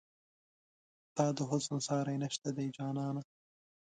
ستا د حسن ساری نشته دی جانانه